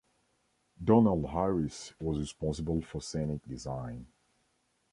Donald Harris was responsible for scenic design.